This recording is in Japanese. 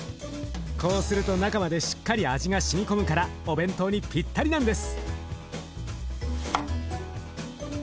こうすると中までしっかり味がしみ込むからお弁当にピッタリなんです！